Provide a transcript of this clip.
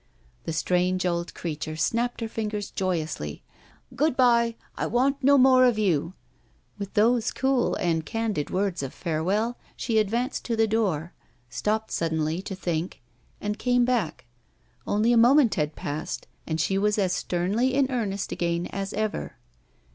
The strange old creature snapped her fingers joyously. "Good bye! I want no more of you." With those cool and candid words of farewell, she advanced to the door stopped suddenly to think and came back. Only a moment had passed, and she was as sternly in earnest again as ever.